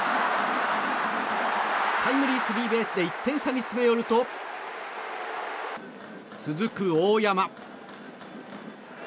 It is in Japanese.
タイムリースリーベースで１点差に詰め寄ると続く大山。